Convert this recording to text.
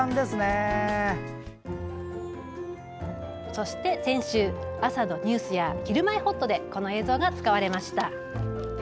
そして先週朝のニュースや「ひるまえほっと」でこの映像が使われました。